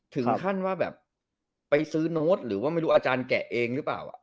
ถึงขั้นว่าแบบไปซื้อโน้ตหรือว่าไม่รู้อาจารย์แกะเองหรือเปล่า